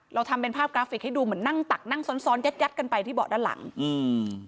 เราทำเป็นภาพกราฟิกให้ดูเหมือนนั่งตักนั่งซ้อนซ้อนยัดยัดกันไปที่เบาะด้านหลังอืม